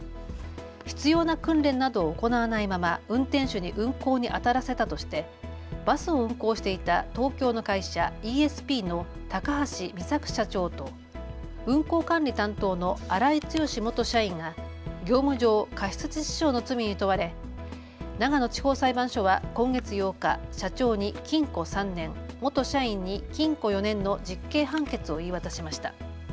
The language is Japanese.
必要な訓練などを行わないまま運転手に運行にあたらせたとしてバスを運行していた東京の会社、イーエスピーの高橋美作社長と運行管理担当の荒井強元社員が業務上過失致死傷の罪に問われ長野地方裁判所は今月８日、社長に禁錮３年、元社員に禁錮４年の実刑判決を言い渡しました。